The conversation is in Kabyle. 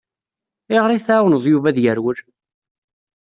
Ayɣer i tɛawneḍ Yuba ad yerwel?